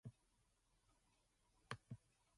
He produced four more during the next year.